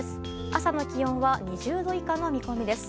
朝の気温は２０度以下の見込みです。